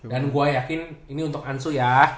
dan gue yakin ini untuk ansu ya